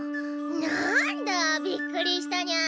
なんだびっくりしたニャ。